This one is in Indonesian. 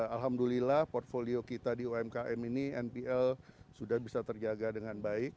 alhamdulillah portfolio kita sudah mulai turun karena kita sudah tahu bagaimana mengelola umkm dengan sebaik baiknya